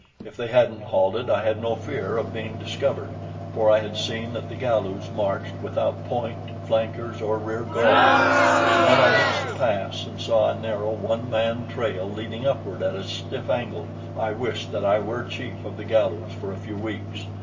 If they hadn't halted, I had no fear of being discovered, for I had seen that the Galus marched without point, flankers or rear guard; and when I reached the pass and saw a narrow, one man trail leading upward at a stiff angle, I wished that I were chief of the Galus for a few weeks.